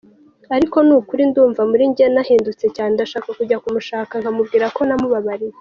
Ariko n’ukuri ndumva muri njye nahindutse cyane, ndashaka kujya kumushaka nkamubwira ko namubabariye.